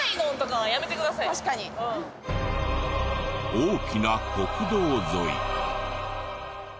大きな国道沿い。